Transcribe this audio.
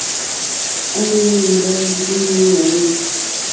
À mɛ̀ mbá ndí nǐ nɔ̀ní.